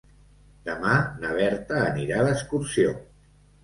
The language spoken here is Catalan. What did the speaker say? Demà na Berta anirà d'excursió.